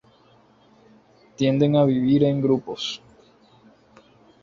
Tienden a vivir en grupos.